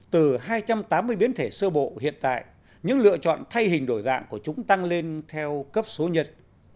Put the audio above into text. từ hai trăm tám mươi biến thể sơ bộ hiện tại những lựa chọn thay hình đổi dạng của chúng tăng lên theo cấp số nhật